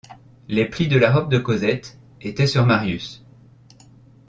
Les plis de la robe de Cosette étaient sur Marius.